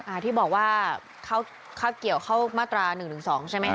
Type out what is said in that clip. อ่าที่บอกว่าเขาเข้าเกี่ยวเข้ามาตรา๑๑๒ใช่ไหมคะ